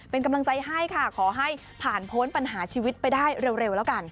เป็นกำลังใจให้ค่ะขอให้ผ่านพ้นปัญหาชีวิตไปได้เร็วแล้วกัน